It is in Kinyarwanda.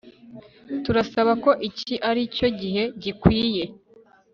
Turasaba ko iki aricyo gihe gikwiye